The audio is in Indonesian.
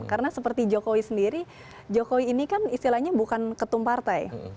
karena seperti jokowi sendiri jokowi ini kan istilahnya bukan ketum partai